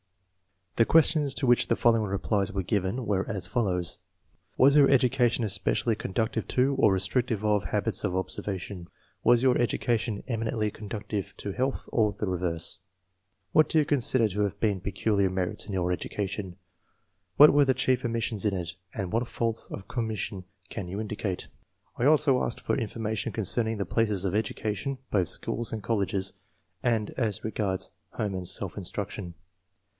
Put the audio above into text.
The questions to which the following replies were given, were as follows :—" Was your edu cation especially conducive to, or restrictive of, habits of observation V " Was your education eminently conducive to health or the reverse ?" "What do you consider to have been peculiar merits in your education ?"" What were the chief omissions in it, and what faults of com mission can you indicate ?" I also asked for information concerning the places of education, both schools and colleges, and as regards home and self instruction.